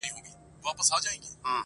په یوه ګړي یې مرګ ته برابر کړ!.